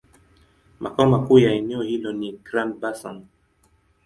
Makao makuu ya eneo hilo ni Grand-Bassam.